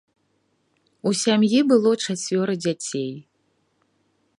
У сям'і было чацвёра дзяцей.